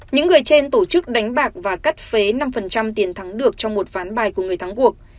những người trên tổ chức đánh bạc và cắt phế năm tiền thắng được trong một ván bài của người thắng cuộc